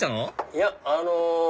いやあの。